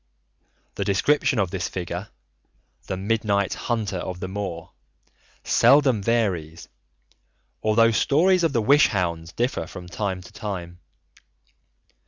The description of this figure, "The Midnight Hunter of the Moor," seldom varies, although stories of the Wish Hounds differ from time to time.